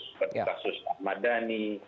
seperti kasus ahmad dhani